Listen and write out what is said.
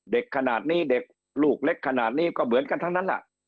เด็กขนาดนี้เด็กลูกเล็กขนาดนี้ก็เหมือนกันทั้งนั้นล่ะ